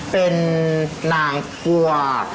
เป็นนางกวาด